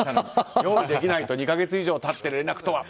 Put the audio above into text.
用意できないと２か月以上経って連絡とは。